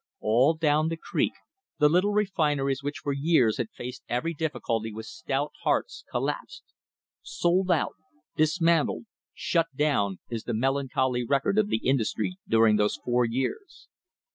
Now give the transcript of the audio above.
All down the creek the little refineries which for years had faced every difficulty with stout hearts col lapsed. "Sold out," "dismantled," "shut down," is the melan choly record of the industry during these four years.